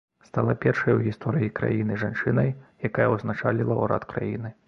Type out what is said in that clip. Стала першай у гісторыі краіны жанчынай, якая ўзначаліла ўрад краіны.